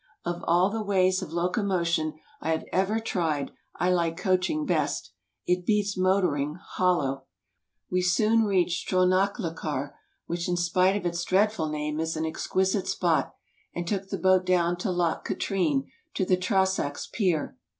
Of all the ways of locomotion I have ever tried I like coaching best. It beaa motoring 'hollow," We soon reached Strona chlachar, which in spite of its dreadful name, is an exquisite spot, and took the boat down Loch Katrine to the Trossachs pier.